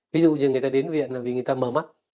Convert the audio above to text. ví dụ như người ta đến viện là vì người ta mở mắt